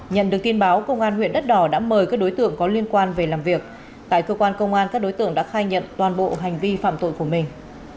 nhận được tin báo công an huyện đất đỏ đã mời các đối tượng có liên quan về làm việc tại cơ quan công an các đối tượng đã khai nhận toàn bộ hành vi phạm tội của mình